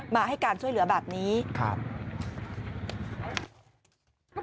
มาให้การช่วยเหลือแบบนี้ครับ